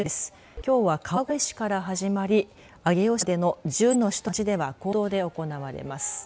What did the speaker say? きょうは川越市から始まり上尾市までの１２の市と町では公道で行われます。